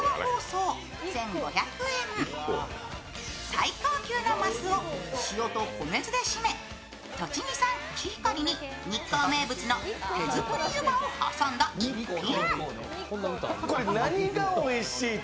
最高級の鱒を塩と米酢でしめ栃木産コシヒカリに日光名物の手作り湯葉を挟んだ逸品。